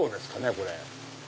これ。